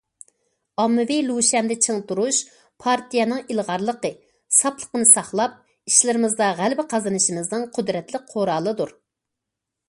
ئاممىۋى لۇشيەندە چىڭ تۇرۇش پارتىيەنىڭ ئىلغارلىقى، ساپلىقىنى ساقلاپ، ئىشلىرىمىزدا غەلىبە قازىنىشىمىزنىڭ قۇدرەتلىك قورالىدۇر.